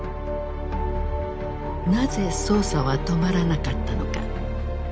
なぜ捜査は止まらなかったのか。